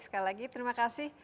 sekali lagi terima kasih